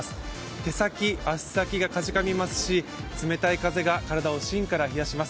手先、足先がかじかみますし冷たい風が体を芯から冷やします。